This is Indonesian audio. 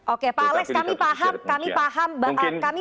oke pak alex kami paham kami paham